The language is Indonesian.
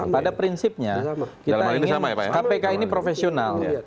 pada prinsipnya kpk ini profesional